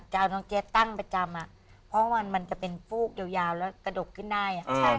จะเอาน้องเจ็ดตั้งประจำเพราะว่ามันจะเป็นฟูกยาวแล้วกระดกขึ้นได้